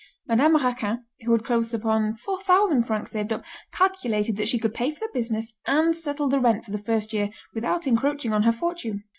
Madame Raquin, who had close upon 4,000 francs saved up, calculated that she could pay for the business and settle the rent for the first year, without encroaching on her fortune.